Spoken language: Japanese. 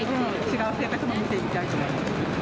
違う生活も見てみたいと思います。